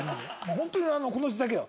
ホントにこの人だけよ。